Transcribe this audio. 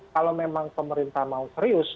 kalau memang pemerintah mau serius